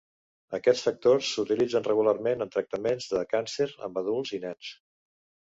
Aquests factors s'utilitzen regularment en tractaments de càncer amb adults i nens.